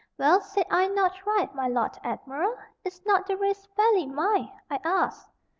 Well, said I not right, my Lord Admiral; is not the race fairly mine, I ask?"